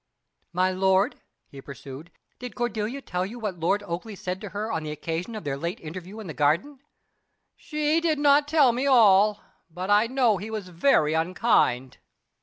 "My lord," he pursued, "did Cordelia tell you what Lord Oakleigh said to her on the occasion of their late interview in the garden?" "She did not tell me all, but I know he was very unkind."